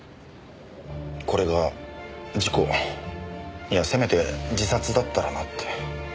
これが事故いやせめて自殺だったらなって。